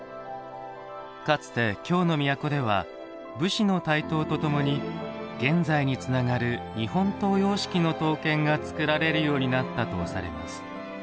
かつて京の都では武士の台頭とともに現在につながる日本刀様式の刀剣が作られるようになったとされます。